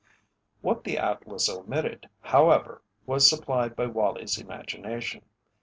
What the atlas omitted, however, was supplied by Wallie's imagination.